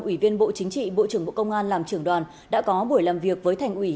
ủy viên bộ chính trị bộ trưởng bộ công an làm trưởng đoàn đã có buổi làm việc với thành ủy